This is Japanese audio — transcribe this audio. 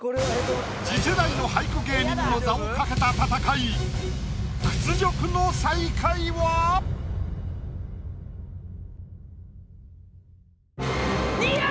次世代の俳句芸人の座を懸けた戦い屈辱の新山！